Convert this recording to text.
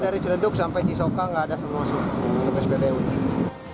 dari cilenduk sampai cisoka gak ada kosong